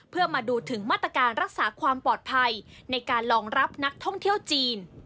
เพื่อมาดูถึงมาตรการรักษาความปลอดภัยในการรองรับนักท่องเที่ยวจีน